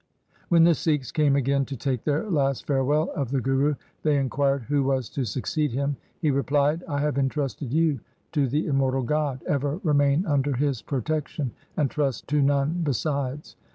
When the Sikhs came again to take their last fare well of the Guru, they inquired who was to succeed him. He replied, ' I have entrusted you to the immortal God. Ever remain under His protection, and trust to none besides.